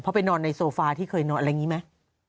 เพราะไปนอนในโซฟาที่เคยนอนอะไรอย่างนี้ไหม